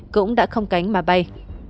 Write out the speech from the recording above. cũng đã không cánh mà bay